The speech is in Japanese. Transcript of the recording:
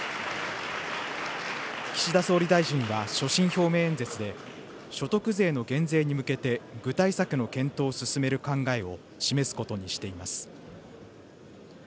岸田総理大臣は所信表明演説で、所得税の減税に向けて具体策の検討を進める考えを示すことにしています。